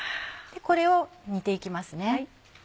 これを煮て行きますね。